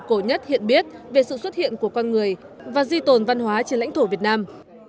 cổ nhất hiện biết về sự xuất hiện của con người và di tồn văn hóa trên lãnh thổ việt nam